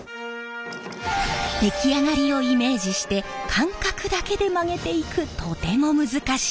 出来上がりをイメージして感覚だけで曲げていくとても難しい作業。